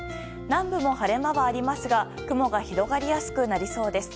南部も晴れ間はありますが雲が広がりやすくなりそうです。